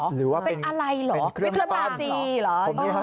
หรือว่าเป็นเครื่องปั้น